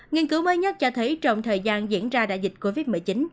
nghiên cứu mới nhất cho thấy trong thời gian diễn ra đại dịch covid một mươi chín